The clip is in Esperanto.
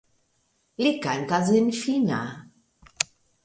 Li kantas en finna.